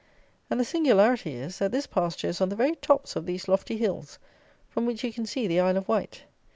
And the singularity is, that this pasture is on the very tops of these lofty hills, from which you can see the Isle of Wight.